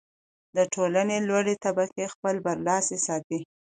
د ټولنې لوړې طبقې خپله برلاسي ساتي.